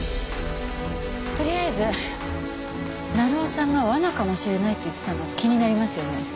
とりあえず鳴尾さんが「罠かもしれない」って言ってたのは気になりますよね。